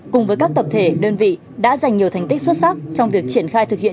cùng với các tập thể đơn vị đã dành nhiều thành tích xuất sắc trong việc triển khai thực hiện